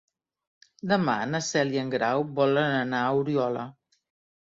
Demà na Cel i en Grau volen anar a Oriola.